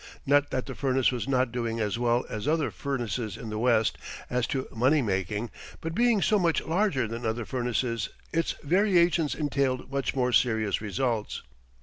Not that the furnace was not doing as well as other furnaces in the West as to money making, but being so much larger than other furnaces its variations entailed much more serious results.